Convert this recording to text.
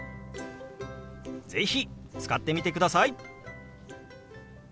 是非使ってみてください！